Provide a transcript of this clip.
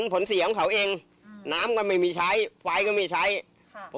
ผลเสียของเขาเองอืมน้ำก็ไม่มีใช้ไฟก็ไม่ใช้ค่ะผม